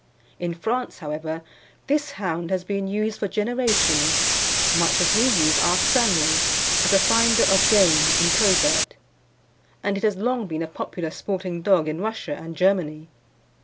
In France, however, this hound has been used for generations, much as we use our Spaniel, as a finder of game in covert, and it has long been a popular sporting dog in Russia and Germany.